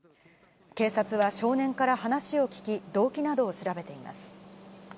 警察は少年から話を聴き、動機などを調べています。